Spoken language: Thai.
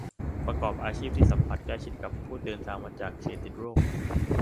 ประกอบอาชีพที่สัมผัสใกล้ชิดกับผู้ที่เดินทางมาจากเขตติดโรค